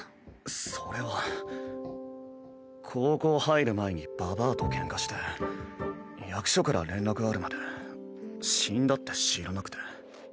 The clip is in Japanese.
それは高校入る前にババアとケンカして役所から連絡あるまで死んだって知らなくて。